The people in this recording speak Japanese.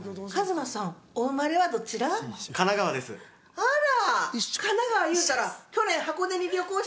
あら！